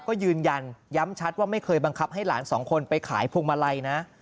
ก็ยืนยันย้ำชัดว่าไม่เคยบังคับให้หลานสองคนไปขายพวงมาลัยนะ